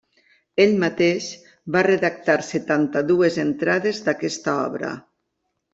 Ell mateix va redactar setanta-dues entrades d'aquesta obra.